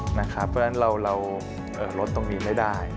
เพราะฉะนั้นเราลดตรงนี้ไม่ได้